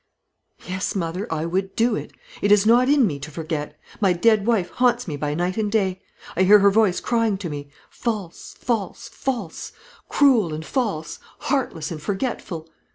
"Yes, mother; I would do it. It is not in me to forget. My dead wife haunts me by night and day. I hear her voice crying to me, 'False, false, false; cruel and false; heartless and forgetful!'